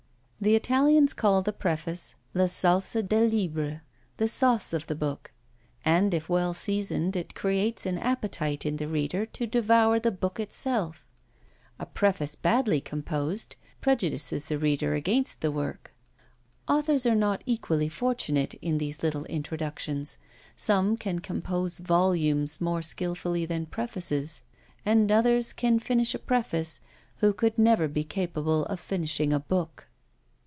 The Italians call the preface La salsa del libra, the sauce of the book, and if well seasoned it creates an appetite in the reader to devour the book itself. A preface badly composed prejudices the reader against the work. Authors are not equally fortunate in these little introductions; some can compose volumes more skilfully than prefaces, and others can finish a preface who could never be capable of finishing a book.